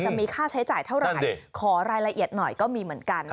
จะมีค่าใช้จ่ายเท่าไหร่ขอรายละเอียดหน่อยก็มีเหมือนกัน